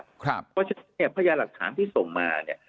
เพราะฉะนั้นเนี่ยพยานหลักฐานที่ส่งมาเนี่ย